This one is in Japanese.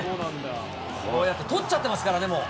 こうやってとっちゃってますからね、もう。